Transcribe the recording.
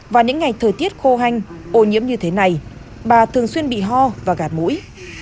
vào những ngày thời tiết khô hanh ô nhiễm như thế này bà thường xuyên bị ho và gạt mũi